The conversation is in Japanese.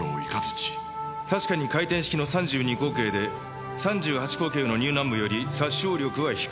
確かに回転式の３２口径で３８口径のニューナンブより殺傷力は低い。